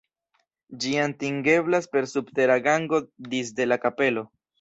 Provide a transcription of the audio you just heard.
Ĝi atingeblas per subtera gango disde la kapelo.